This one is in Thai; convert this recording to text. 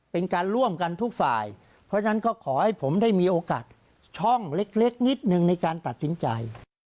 เป็นการร่วมกันทุกฝ่ายเพราะฉะนั้นก็ขอให้ผมได้มีโอกาสช่องเล็กนิดหนึ่งในการตัดสินใจ